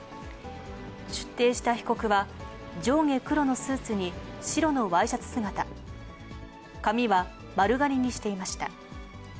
出廷した被告は、上下黒のスーツに白のワイシャツ姿、髪は丸刈りにしていました。